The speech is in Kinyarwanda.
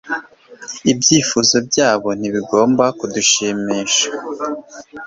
Ibyifuzo byabo ntibigomba kudushimisha